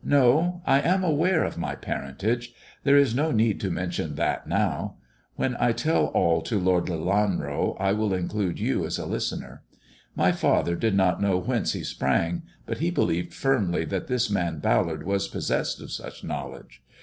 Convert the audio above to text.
" No. I am aware of my parentage. There is no need to mention that now. When I tell all to Lord Lelanro 1 will include you as a listener. My father did not knew whence he sprang, but he believed firmly that this mar Ballard was possessed of such knowledge.